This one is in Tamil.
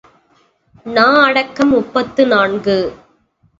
நா அடக்கம் முப்பத்து நான்கு.